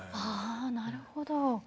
ああなるほど。